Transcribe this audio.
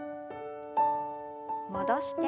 戻して。